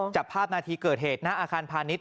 จับภาพนาทีเกิดเหตุหน้าอาคารพาณิชย